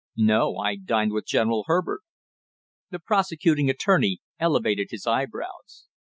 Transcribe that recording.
"No, I dined with General Herbert." The prosecuting attorney elevated his eyebrows.